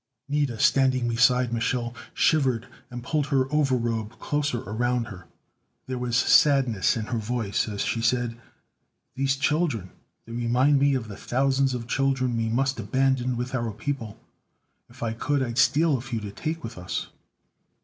Nida, standing beside Mich'l, shivered and pulled her over robe closer around her. There was sadness in her voice as she said: "These children.... They remind me of the thousands of children we must abandon with our people. If I could, I'd steal a few to take with us."